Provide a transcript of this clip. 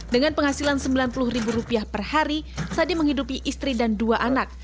dengan penghasilan rp sembilan puluh ribu rupiah per hari sadi menghidupi istri dan dua anak